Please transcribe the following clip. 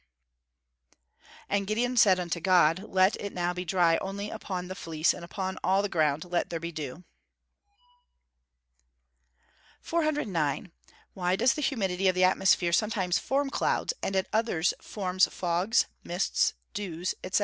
[Verse: "And Gideon said unto God, Let it now be dry only upon the fleece, and upon all the ground let there be dew."] 409. _Why does the humidity of the atmosphere sometimes form clouds, and at others form fogs, mists, dews, &c.?